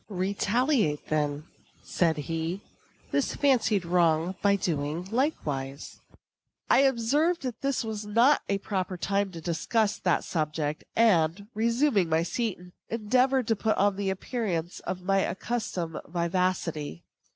"Retaliate, then," said he, "this fancied wrong by doing likewise." I observed that this was not a proper time to discuss that subject, and, resuming my seat, endeavored to put on the appearance of my accustomed vivacity.